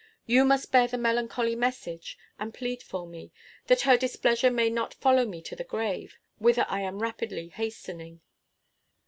You must bear the melancholy message, and plead for me, that her displeasure may not follow me to the grave, whither I am rapidly hastening."